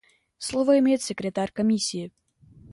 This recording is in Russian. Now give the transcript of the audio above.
Слово имеет Секретарь Комиссии.